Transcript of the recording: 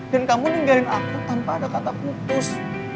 dan kamu ninggalin aku tanpa ada kata putus